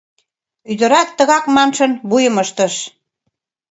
Ӱдырат тыгак маншын вуйым ыштыш.